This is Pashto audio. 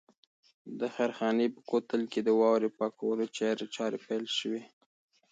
د خیرخانې په کوتل کې د واورې پاکولو چارې پیل شوې.